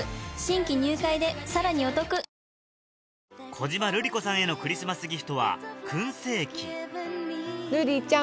小島瑠璃子さんへのクリスマスギフトは燻製器瑠璃ちゃん